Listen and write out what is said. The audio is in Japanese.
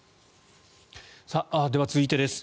では、続いてです。